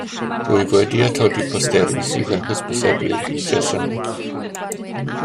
Rwyf wedi atodi posteri sydd yn hysbysebu'r sesiynau